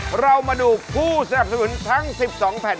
พระนายค่าเก่งสุขอย่างเที่ยวฟ้า